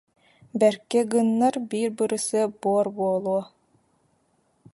Бэркэ гыннар, биир бырысыап буор буолуо